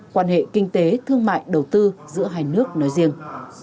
quan hệ kinh tế thương mại đầu tư giữa hai nước nói riêng